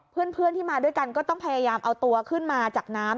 เพื่อนที่มาด้วยกันก็ต้องพยายามเอาตัวขึ้นมาจากน้ำ